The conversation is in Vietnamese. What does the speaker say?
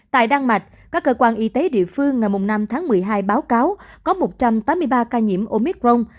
tại đan mạch các cơ quan y tế địa phương ngày năm tháng một mươi hai báo cáo có một trăm tám mươi ba ca nhiễm omicron